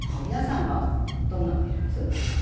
皆さんはどんなの入れます？